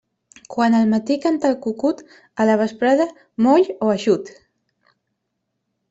Quan al matí canta el cucut, a la vesprada moll o eixut.